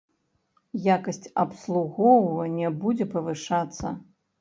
Якасць абслугоўвання будзе павышацца.